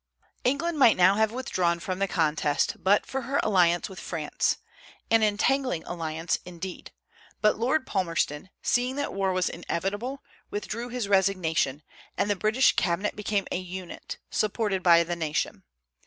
England might now have withdrawn from the contest but for her alliance with France, an entangling alliance, indeed; but Lord Palmerston, seeing that war was inevitable, withdrew his resignation, and the British cabinet became a unit, supported by the nation.